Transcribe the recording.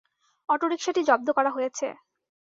অটোরিকশাটি জব্দ করা হয়েছে।